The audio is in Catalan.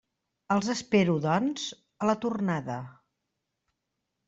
Els espero, doncs, a la tornada.